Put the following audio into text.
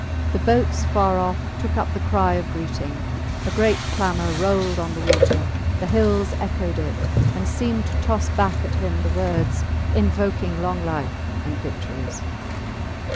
The boats far off took up the cry of greeting; a great clamour rolled on the water; the hills echoed it, and seemed to toss back at him the words invoking long life and victories.